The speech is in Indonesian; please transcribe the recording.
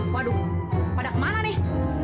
waduh pada kemana nih